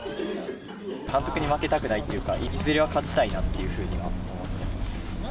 監督に負けたくないっていうか、いずれは勝ちたいなというふうには思ってます。